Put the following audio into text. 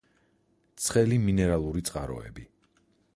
ცხელი მინერალური წყაროები.